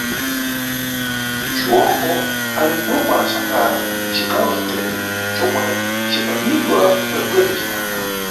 Xiwoko ali mʼboma la Xangara, cigawo ca Tete comwe cimbalimidwa kwenekwene cimanga.